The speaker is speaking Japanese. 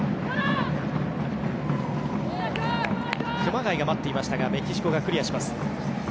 熊谷が待っていましたがメキシコがクリアします。